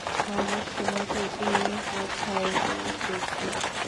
মানুষ তোমাকে এই মুখায়বেই দেখে।